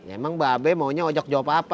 emang mbak abe maunya ojok jawab apa